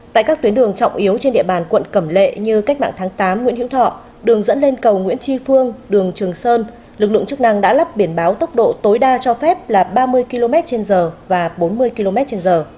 tại các tuyến đường trọng yếu trên địa bàn quận cẩm lệ như cách mạng tháng tám nguyễn hữu thọ đường dẫn lên cầu nguyễn tri phương đường trường sơn lực lượng chức năng đã lắp biển báo tốc độ tối đa cho phép là ba mươi kmh và bốn mươi kmh